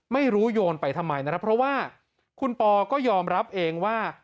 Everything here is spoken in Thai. โยนไปทำไมนะครับเพราะว่าคุณปอก็ยอมรับเองว่า